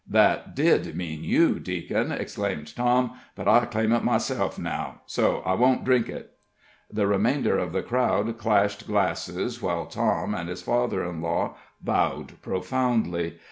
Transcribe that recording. "That did mean you, deacon!" exclaimed Tom; "but I claim it myself now, so so I won't drink it." The remainder of the crowd clashed glasses, while Tom and his father in law bowed profoundly.